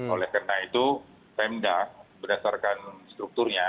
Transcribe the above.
oleh karena itu pemda berdasarkan strukturnya